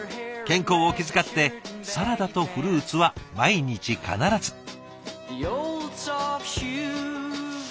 健康を気遣ってサラダとフルーツは毎日必ず。